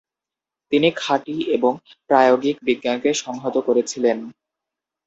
তিনি খাঁটি এবং প্রায়োগিক বিজ্ঞানকে সংহত করেছিলেন।